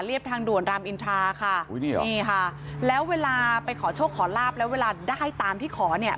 ทางด่วนรามอินทราค่ะนี่ค่ะแล้วเวลาไปขอโชคขอลาบแล้วเวลาได้ตามที่ขอเนี่ย